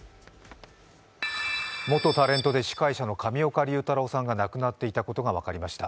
元タレントで司会者の上岡龍太郎さんが亡くなっていたことが分かりました。